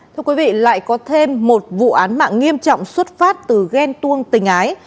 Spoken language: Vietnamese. thưa quý vị lại có thêm một vụ án mạng nghiêm trọng xuất phát từ ghen tuông tình ái